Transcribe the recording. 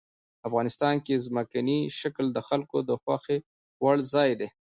افغانستان کې ځمکنی شکل د خلکو د خوښې وړ ځای دی.